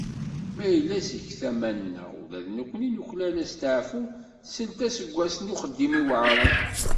Ma yella seg tama-nneɣ, ula d nekni nuklal asteεfu seld aseggas n uxeddim iweεṛen.